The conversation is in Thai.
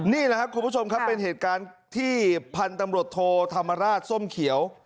นี่แหละครับคุณผู้ชมครับเป็นเหตุการณ์ที่พันธุ์ตำรวจโทธรรมราชส้มเขียว